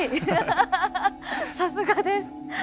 さすがです！